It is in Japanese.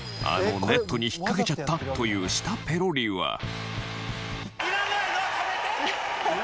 あのネットに引っかけちゃったという舌ペロリは。